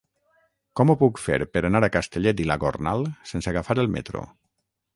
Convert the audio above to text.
Com ho puc fer per anar a Castellet i la Gornal sense agafar el metro?